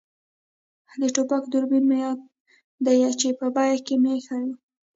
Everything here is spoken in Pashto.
د ټوپک دوربین مې یاد دی چې په بېک کې مې اېښی وو.